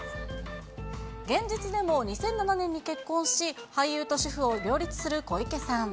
現実でも２００７年に結婚し、俳優と主婦を両立する小池さん。